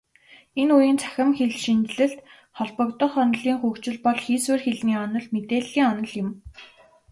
Энэ үеийн цахим хэлшинжлэлд холбогдох онолын хөгжил бол хийсвэр хэлний онол, мэдээллийн онол юм.